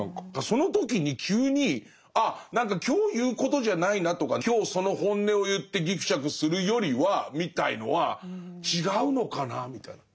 その時に急にああ何か今日言うことじゃないなとか今日その本音を言ってぎくしゃくするよりはみたいのは違うのかなみたいな。